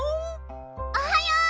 おはよう！